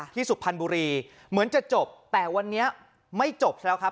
ที่สุภัณฑ์บุรีเหมือนจะจบแต่วันเนี้ยไม่จบใช่แล้วครับ